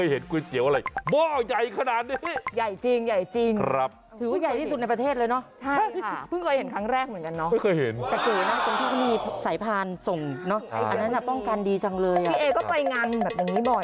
เหมือนมีแบบเรื่องดึงเป็นชักรอกมาอยู่อย่างนี้